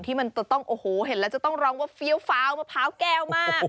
ที่มันจะต้องโอ้โหเห็นแล้วจะต้องร้องว่าเฟี้ยวฟ้าวมะพร้าวแก้วมาก